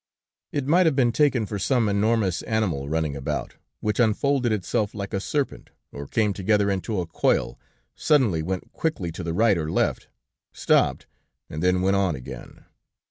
It might have been taken for some enormous animal running about, which unfolded itself like a serpent, or came together into a coil, suddenly went quickly to the right or left, stopped, and then went on again.